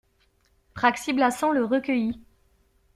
Praxi-Blassans le recueillit.